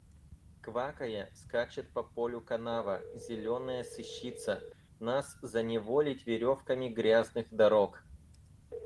Квакая, скачет по полю канава, зеленая сыщица, нас заневолить веревками грязных дорог.